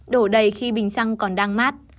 đổ đầy khi bình xăng còn đang mát